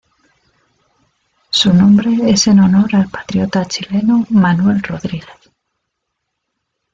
Su nombre es en honor al patriota chileno Manuel Rodríguez.